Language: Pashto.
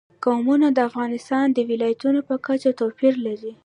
قومونه د افغانستان د ولایاتو په کچه توپیر لري.